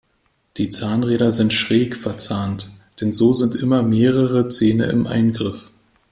Die Zahnräder sind schräg verzahnt, denn so sind immer mehrere Zähne im Eingriff.